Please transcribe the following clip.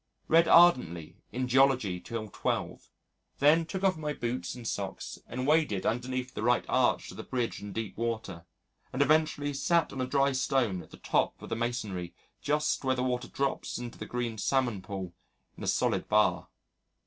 Read ardently in Geology till twelve. Then took off my boots and socks, and waded underneath the right arch of the bridge in deep water, and eventually sat on a dry stone at the top of the masonry just where the water drops into the green salmon pool in a solid bar.